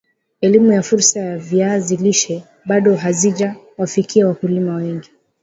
Elimu ya fursa za viazi lishe bado hazija wafikia wakulima wengi